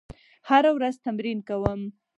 هره ورځ تمرین کوم.